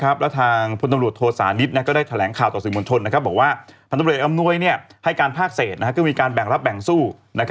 ว่าทางทำรวจเดร็กอำนวยให้การภาคเศษก็มีการแบ่งรับแบ่งสู้